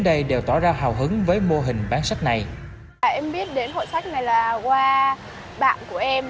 đây đều tỏ ra hào hứng với mô hình bán sách này em biết đến hội sách này là qua bạn của em